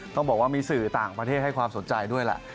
ต้องบอกว่ามีสื่อต่างประเทศให้ความสนใจด้วยแหละ